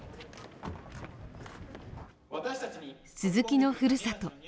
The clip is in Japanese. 鈴木のふるさと